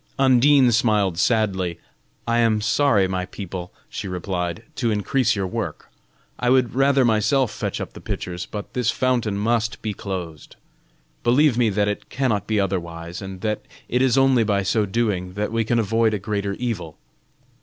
Undine smiled sadly. "I am sorry, my people," she replied, "to increase your work. I would rather myself fetch up the pitchers, but this fountain must be closed. Believe me that it cannot be otherwise, and that it is only by so doing that we can avoid a greater evil."